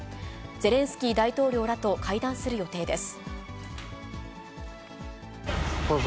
ゼレンスキー大統領らと会談する予定です。